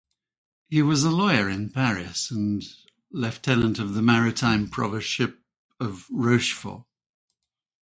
He was a lawyer in Paris and lieutenant of the maritime provostship of Rochefort.